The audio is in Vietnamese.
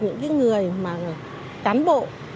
những người cán bộ